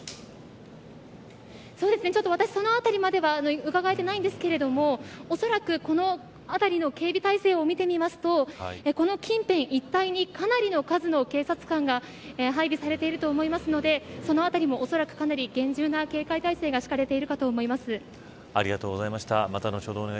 そうですね、私そのあたりまでは伺えていないんですけれどもおそらく、この辺りの警備態勢を見てみますとこの近辺一帯にかなりの数の警察官が配備されていると思いますのでそのあたりもおそらくかなり厳重な警戒態勢がありがとうございました。